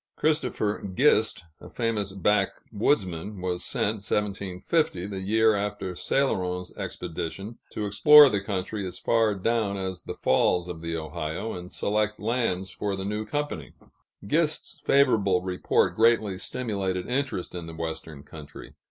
Christopher Gist, a famous backwoodsman, was sent (1750), the year after Céloron's expedition, to explore the country as far down as the falls of the Ohio, and select lands for the new company. Gist's favorable report greatly stimulated interest in the Western country.